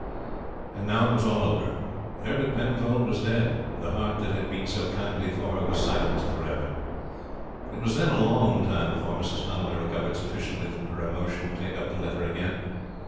And now it was all over. Herbert Penfold was dead. The heart that had beat so kindly for her was silenced forever. It was then a long time before Mrs. Conway recovered sufficiently from her emotion to take up the letter again.